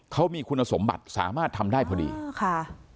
เขามีคุณสมบัติสามารถทำได้พอดีค่ะ